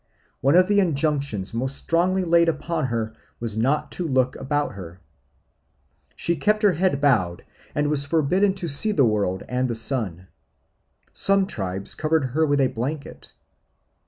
One of the injunctions most strongly laid upon her was not to look about her. She kept her head bowed and was forbidden to see the world and the sun. Some tribes covered her with a blanket.